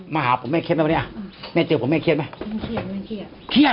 มาหาผมแม่เครียดไหมวันนี้แม่เจอผมแม่เครียดไหมไม่เครียด